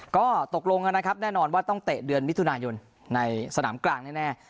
ก็ตกลงกันนะครับแน่นอนว่าต้องเตะเดือนมิถุนายนในสนามกลางแน่